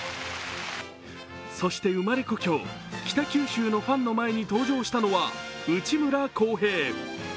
そして生まれ故郷、北九州市のファンの前に登場したのは内村航平。